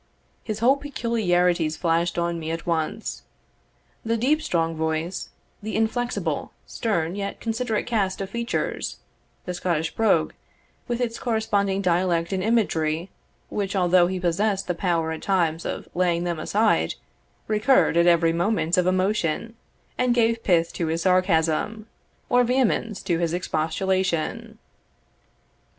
His whole peculiarities flashed on me at once, the deep strong voice the inflexible, stern, yet considerate cast of features the Scottish brogue, with its corresponding dialect and imagery, which, although he possessed the power at times of laying them aside, recurred at every moment of emotion, and gave pith to his sarcasm, or vehemence to his expostulation.